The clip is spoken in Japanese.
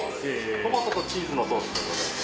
トマトとチーズのソース。